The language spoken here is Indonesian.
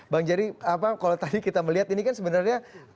bang jerry kalau tadi kita melihat ini kan sebenarnya